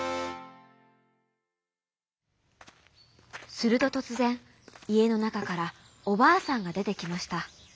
するととつぜんいえのなかからおばあさんがでてきました。